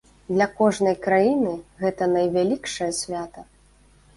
Для кожнай краіны гэта найвялікшае свята.